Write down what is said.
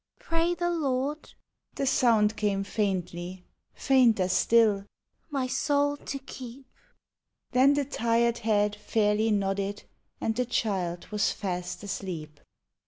44 POEMS OF HOME. " Pray the Lord "— the sound came faintly, Fainter still —" My soul to keep; " Then the tired head fairly nodded, And the child was fast asleep.